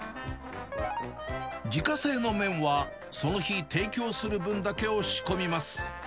自家製の麺は、その日提供する分だけを仕込みます。